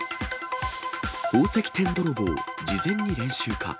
宝石店泥棒、事前に練習か。